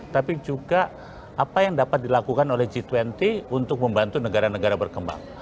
tapi juga apa yang dapat dilakukan oleh g dua puluh untuk membantu negara negara berkembang